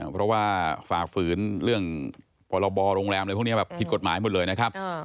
เพราะว่าฝากฝืนเรื่องประบอโรงแรมพวกนี้ผิดกฎหมายหมดเลยนะครับ